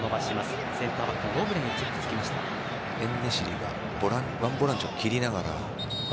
エンネシリが１ボランチを切りながら。